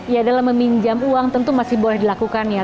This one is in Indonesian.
ya dalam meminjam uang tentu masih boleh dilakukan ya